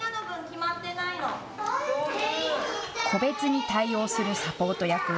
個別に対応するサポート役。